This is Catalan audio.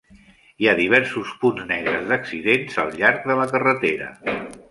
Hi ha diversos punts negres d'accidents al llarg de la carretera.